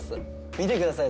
見てください